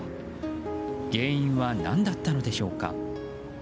原因は、何だったのでしょうか。